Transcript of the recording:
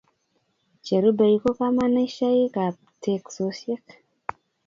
Cherubei ko kamanisheik ab teksosiek